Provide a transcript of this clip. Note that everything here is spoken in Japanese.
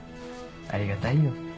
ありがたいよ。